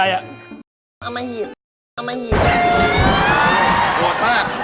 ยัดหญิงทิ้งหมาต่อ